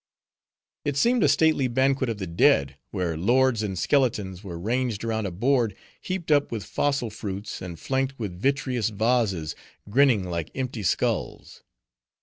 It seemed a stately banquet of the dead, where lords in skeletons were ranged around a board heaped up with fossil fruits, and flanked with vitreous vases, grinning like empty skulls.